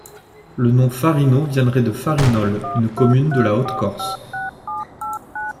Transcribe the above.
Le nom Farino viendrait de Farinole, une commune de la Haute-Corse.